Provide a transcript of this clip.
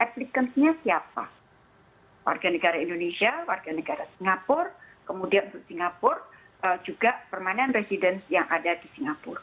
applikansnya siapa warga negara indonesia warga negara singapura kemudian untuk singapura juga permanent residence yang ada di singapura